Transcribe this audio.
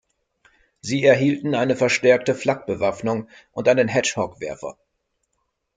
Sie erhielten eine verstärkte Flak-Bewaffnung und einen Hedgehog-Werfer.